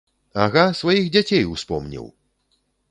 Ага, сваіх дзяцей успомніў!